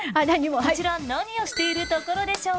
こちら何をしているところでしょうか？